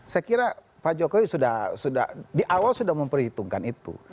saya kira pak jokowi sudah di awal sudah memperhitungkan itu